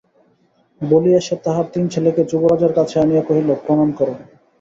বলিয়া সে তাহার তিন ছেলেকে যুবরাজের কাছে আনিয়া কহিল, প্রণাম করো।